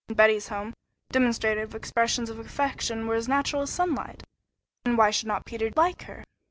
In Betty's home, demonstrative expressions of affection were as natural as sunlight, and why should not Peter like her?